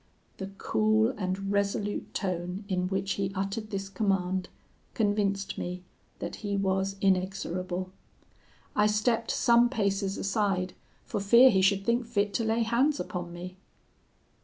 "The cool and resolute tone in which he uttered this command, convinced me that he was inexorable. I stepped some paces aside, for fear he should think fit to lay hands upon me.